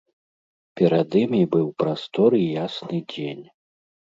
Перад імі быў прастор і ясны дзень.